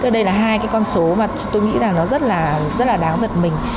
đây là hai con số mà tôi nghĩ rất là đáng giật mình